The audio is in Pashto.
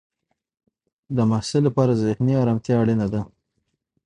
د محصل لپاره ذهنی ارامتیا اړینه ده.